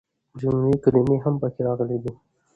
جملې ،کلمې هم پکې راغلي دي.